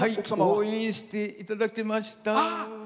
応援していただきました。